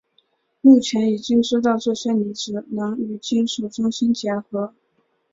目前已经知道这些离子能与金属中心结合。